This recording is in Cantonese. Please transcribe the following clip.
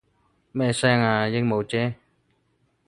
咩聲啊？鸚鵡啫